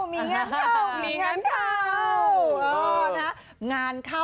มีงานเข้า